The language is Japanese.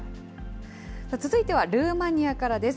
続いてはルーマニアからです。